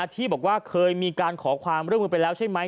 ที่บอกว่าเคยมีการขอความร่วมมือไปแล้วใช่ไหม